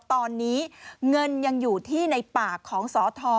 ตอนนี้เงินยังอยู่ที่ในปากของสอท